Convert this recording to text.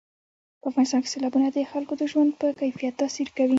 په افغانستان کې سیلابونه د خلکو د ژوند په کیفیت تاثیر کوي.